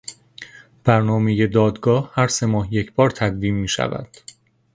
برنامهی دادگاه هر سه ماه یک بار تدوین میشود.